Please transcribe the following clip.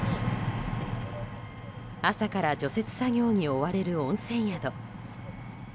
朝から除雪作業に追われる温泉宿。